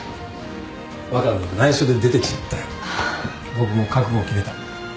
僕も覚悟を決めた。